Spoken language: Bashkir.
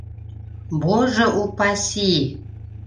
Боже-упаси!